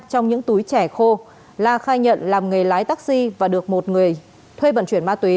trong những túi trẻ khô la khai nhận làm nghề lái taxi và được một người thuê vận chuyển ma túy